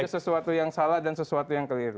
sesuatu yang salah dan sesuatu yang keliru